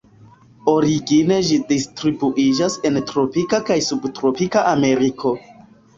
Origine ĝi distribuiĝas en tropika kaj subtropika Ameriko.